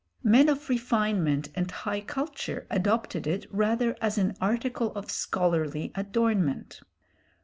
Men of refinement and high culture adopted it rather as an article of scholarly adornment.